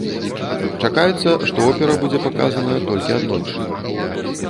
Чакаецца, што опера будзе паказаная толькі аднойчы.